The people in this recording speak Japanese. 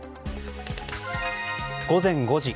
午前５時。